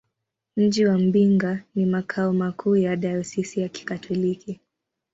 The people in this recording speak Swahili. Mji wa Mbinga ni makao makuu ya dayosisi ya Kikatoliki.